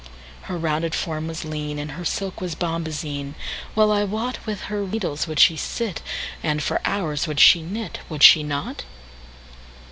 Her rounded form was lean, And her silk was bombazine:Well I wotWith her needles would she sit, And for hours would she knit,—Would she not?